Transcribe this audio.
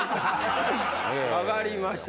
わかりました。